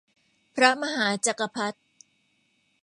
พระมหาจักรพรรดิ